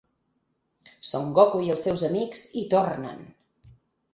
Son Goku i els seus amics hi tornen!!